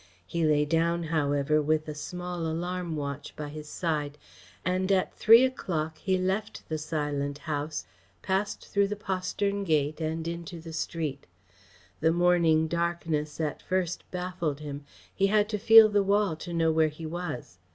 He lay down, however, with a small alarm watch by his side, and at three o'clock he left the silent house, passed through the postern gate and into the street. The morning darkness at first baffled him. He had to feel the wall to know where he was.